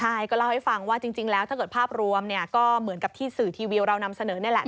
ใช่ก็เล่าให้ฟังว่าจริงแล้วถ้าเกิดภาพรวมเนี่ยก็เหมือนกับที่สื่อทีวีเรานำเสนอนี่แหละ